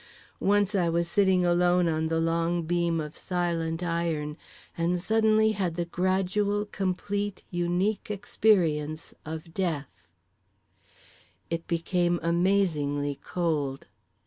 Once I was sitting alone on the long beam of silent iron and suddenly had the gradual complete unique experience of death…. It became amazingly cold.